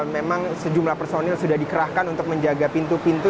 memang sejumlah personil sudah dikerahkan untuk menjaga pintu pintu